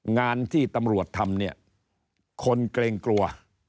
งานที่ตำรวจทำเนี่ยคนเกรงกลัว